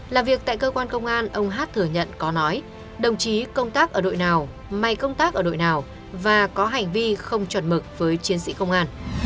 làm việc tại cơ quan công an ông hát thừa nhận có nói đồng chí công tác ở đội nào may công tác ở đội nào và có hành vi không chuẩn mực với chiến sĩ công an